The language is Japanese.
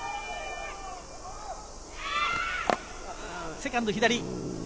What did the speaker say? セカンド、左。